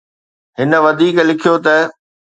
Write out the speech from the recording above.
هن وڌيڪ لکيو ته